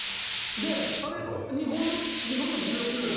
彼、日本でも通用するよね？